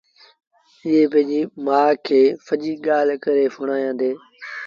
ائيٚݩ پنڊريٚ مآ کي سڄيٚ ڳآل ڪري سُڻآيآݩدي